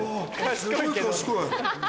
すごい賢い！